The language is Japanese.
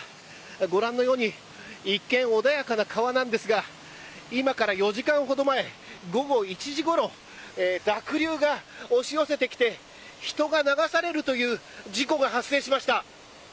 ご覧のように一見穏やかな川なんですが今から４時間ほど前午後１時ごろ濁流が押し寄せてきて人が流されるという事故が発生しました。